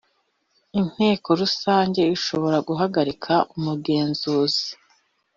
inteko rusange ishobora guhagarika umugenzuzi.